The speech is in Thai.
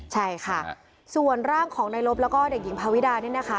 ใช่ค่ะส่วนร่างของนายลบแล้วก็เด็กหญิงพาวิดานี่นะคะ